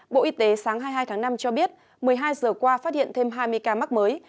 bộ y tế sáng hai mươi hai tháng năm cho biết một mươi hai giờ qua phát hiện thêm hai mươi ca mắc mới